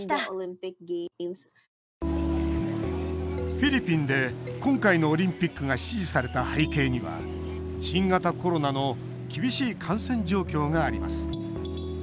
フィリピンで今回のオリンピックが支持された背景には、新型コロナの厳しい感染状況があります。